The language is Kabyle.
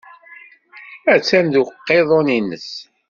Attan deg uqiḍun-nnes.